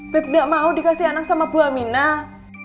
beb gak mau dikasih anak sama bu aminah